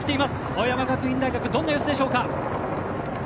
青山学院大学どんな様子でしょうか。